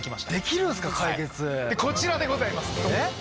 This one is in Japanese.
こちらでございますドン。